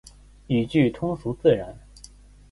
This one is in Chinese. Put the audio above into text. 语句通俗自然